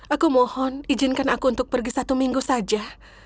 aku mohon izinkan aku untuk pergi satu minggu saja